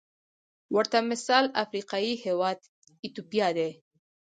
ورته مثال افریقايي هېواد ایتوپیا دی.